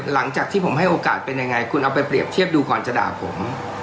หลังจากที่ผมให้โอกาสเป็นยังไงคุณเอาไปเปรียบเทียบดูก่อนจะด่าผม